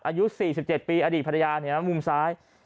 อายุ๔๗ปีอดีตภรรยามุมซ้าย